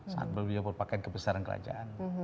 saat beliau berpakaian kebesaran kerajaan